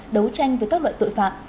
đấu tranh với các loại tội phạm